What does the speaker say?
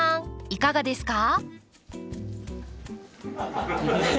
いかがですか？